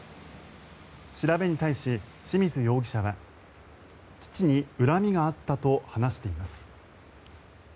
調べに対し、志水容疑者は父に恨みがあったと話しています。